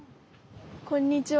こんにちは。